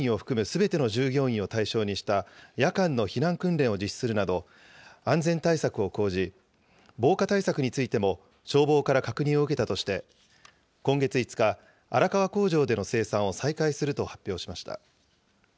会社はきのう、アルバイト従業員を含むすべての従業員を対象にした夜間の避難訓練を実施するなど、安全対策を講じ、防火対策についても消防から確認を受けたとして、今月５日、荒川工場での生産を再開すると発表しました。